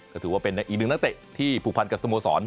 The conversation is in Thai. ก็ถือว่าเป็นอีกหนึ่งนักเตะที่ผูกพันกับสโมสร